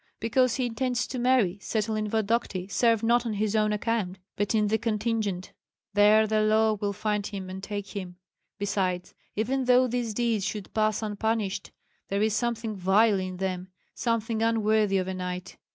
Because he intends to marry, settle in Vodokty, serve not on his own account, but in the contingent; there the law will find him and take him. Besides, even though these deeds should pass unpunished, there is something vile in them, something unworthy of a knight.